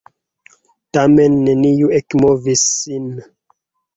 Tamen neniu ekmovis sin!